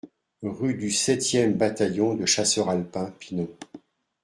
Rue du sept e Bataillon de Chasseurs Alpins, Pinon